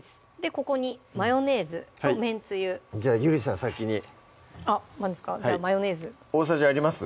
ここにマヨネーズとめんつゆじゃあゆりさん先にあっじゃあマヨネーズ大さじあります？